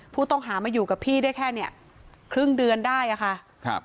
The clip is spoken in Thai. ผู้ต้องหามาอยู่กับพี่ได้แค่เนี่ยครึ่งเดือนได้อะค่ะครับ